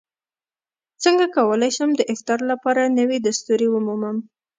څنګه کولی شم د افتار لپاره نوې دستورې ومومم